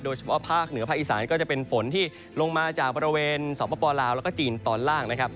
ภาคเหนือภาคอีสานก็จะเป็นฝนที่ลงมาจากบริเวณสปลาวแล้วก็จีนตอนล่างนะครับ